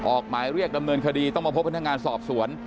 ออกหมายเรียกดำเนินคดีต้องมาพบพนักงานสอบสวน